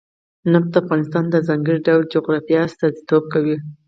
نفت د افغانستان د ځانګړي ډول جغرافیه استازیتوب کوي.